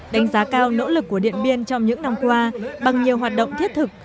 đánh giá cao nỗ lực của điện biên trong những năm qua bằng nhiều hoạt động thiết thực